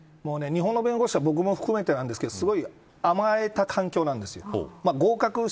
日本の弁護士僕も含めてなんですけどすごい甘えた環境なんです。